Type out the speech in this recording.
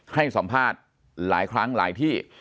ให้สัมภาษณ์หลายครั้งหลายที่